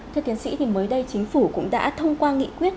thưa tiến sĩ thì mới đây chính phủ cũng đã thông qua nghị quyết